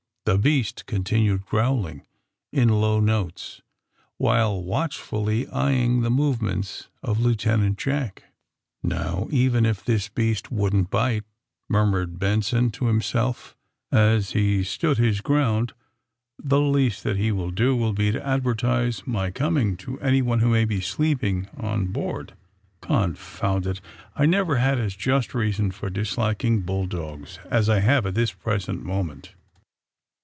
The beast continued growling in low notes, while watchfully eyeing the movements of Lieutenant Jack. ^^Now, even if this beast wouldn't bite,'' mur mured Benson, to himself, as he stood his ground, ^^the least that he will do will be to ad vertise my coming to anyone who may be sleep ing on board. Confound it, I never had as just reason for disliking bull dogs as I have at this present moment!"